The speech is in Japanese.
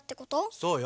そうよ。